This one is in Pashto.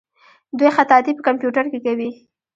دوی خطاطي په کمپیوټر کې کوي.